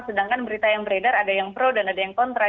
sedangkan berita yang beredar ada yang pro dan ada yang kontra